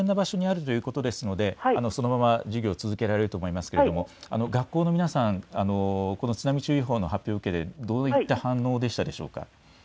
安全な場所にあるということですのでそのまま授業を続けられると思いますが学校の皆さん、この津波注意報の発表を受けてどういった反応でしたでしょうか。